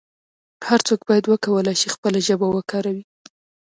هر څوک باید وکولای شي خپله ژبه وکاروي.